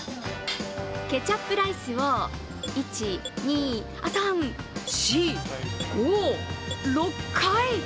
ケチャップライスを１、２、３、４、５、６回！